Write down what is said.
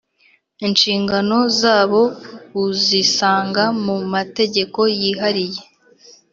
Inshingano zabo uzisanga mu mategeko yihariye